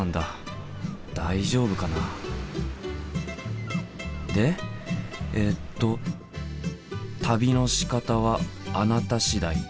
大丈夫かな？でえっと「旅のしかたはあなた次第。